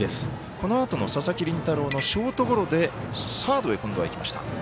このあとの佐々木麟太郎のショートゴロでサードへ今度はいきました。